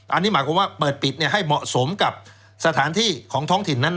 อันนี้หมายความว่าเปิดปิดให้เหมาะสมกับสถานที่ของท้องถิ่นนั้น